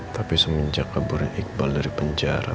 tapi semenjak kabarnya iqbal dari penjara